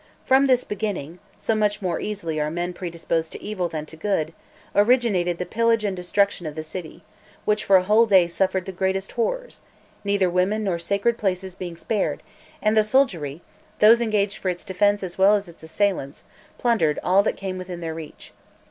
From this beginning (so much more easily are men predisposed to evil than to good) originated the pillage and destruction of the city; which for a whole day suffered the greatest horrors, neither women nor sacred places being spared; and the soldiery, those engaged for its defense as well as its assailants, plundered all that came within their reach.